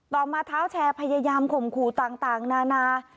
มาเท้าแชร์พยายามข่มขู่ต่างนานา